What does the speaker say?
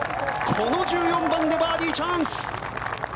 この１４番でバーディーチャンス。